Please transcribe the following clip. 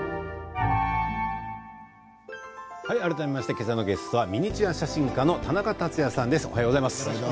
けさのゲストはミニチュア写真家の田中達也さんです。